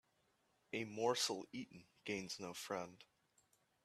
A morsel eaten gains no friend